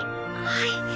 はい。